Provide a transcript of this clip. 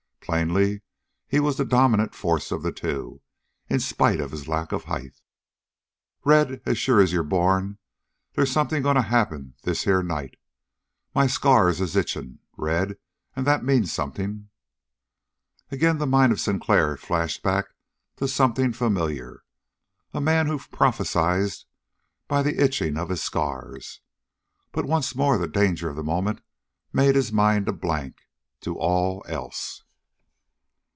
Plainly he was the dominant force of the two, in spite of his lack of height. "Red, as sure as you're born, they's something going to happen this here night. My scars is itching, Red, and that means something." Again the mind of Sinclair flashed back to something familiar. A man who prophesied by the itching of his scars. But once more the danger of the moment made his mind a blank to all else.